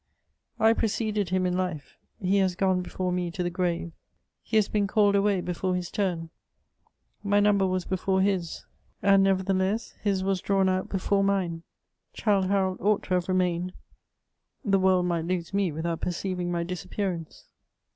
I preceded him in life — he has gone before me to the grave. He has been called away before his turn ; mj number was before his, and, nevertheless, his was drawn out before mine. Childe Harold ought to have remained ; the world might lose me without perceiving my ^appearance.